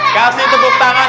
kasih tepuk tangan